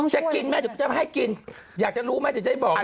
จะกินไหมจะให้กินอยากจะรู้ไหมจะให้บอกไหม